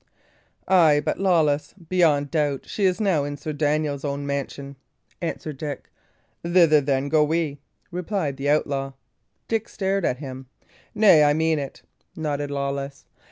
"Ay, but, Lawless, beyond doubt she is now in Sir Daniel's own mansion." answered Dick. "Thither, then, go we," replied the outlaw. Dick stared at him. "Nay, I mean it," nodded Lawless.